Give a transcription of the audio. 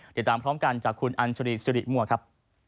เดี๋ยวตามพร้อมกันจากคุณอันทรีย์สุริมวะครับ